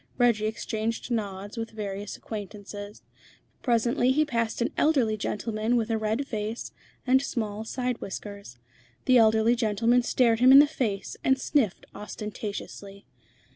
Reggie exchanged nods with various acquaintances. Presently he passed an elderly gentleman with a red face and small side whiskers. The elderly gentleman stared him in the face, and sniffed ostentatiously.